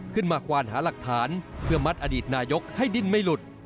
ควานหาหลักฐานเพื่อมัดอดีตนายกให้ดิ้นไม่หลุด